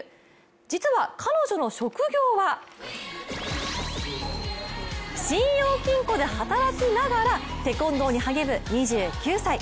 実は彼女の職業は信用金庫で働きながらテコンドーに励む２９歳。